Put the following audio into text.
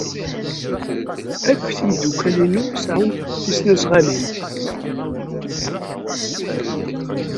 Akk timeddukal-inu sɛant tisnasɣalin.